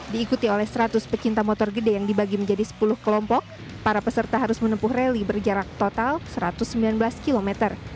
diikuti oleh seratus pecinta motor gede yang dibagi menjadi sepuluh kelompok para peserta harus menempuh rally berjarak total satu ratus sembilan belas km